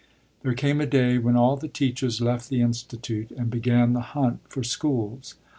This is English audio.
There came a day when all the teachers left the Institute and began the hunt for schools.